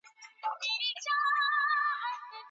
ایا ملي بڼوال پسته پلوري؟